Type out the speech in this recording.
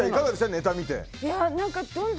ネタ見て。